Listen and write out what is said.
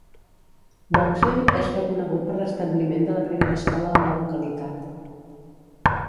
Boxley és reconegut per l'establiment de la primera escola a la localitat.